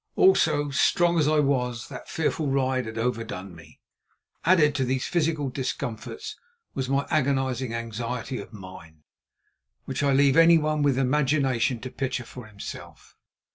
Also, strong as I was, that fearful ride had overdone me. Added to these physical discomforts was my agonising anxiety of mind, which I leave anyone with imagination to picture for himself.